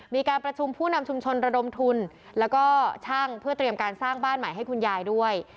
มีการประชุมผู้นำชุมชนระดมทุนแล้วก็ช่างเพื่อเตรียมการสร้างบ้านใหม่ให้คุณยายด้วย